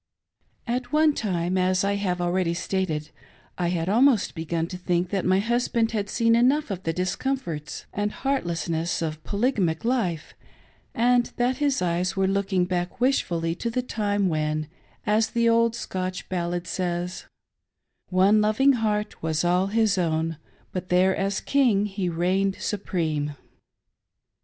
AT one time, as I have already stated, I had almost begun to think that my husband had seen enough of the dis comforts and heartlessness of polygamic life, and that his eyes were looking back wishfully to the time when, as the old Scotch ballad says :" One loving heart was all his own, But there as king he reigned supreme."